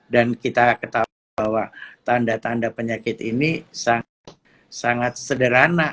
dan kita ketahui bahwa tanda tanda penyakit ini sangat sederhana